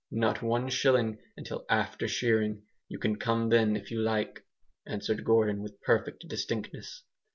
"Not one shilling until after shearing. You can come then if you like," answered Gordon, with perfect distinctness.